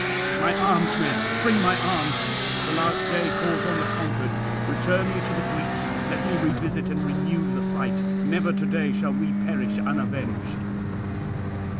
My arms, men, bring my arms! the last day calls on the conquered. Return me to the Greeks; let me revisit and renew the fight. Never to day shall we all perish unavenged."